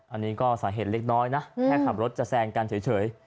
อันนี้ก็สาเหตุเล็กน้อยนะแค่ขับรถจะแซงกันเฉย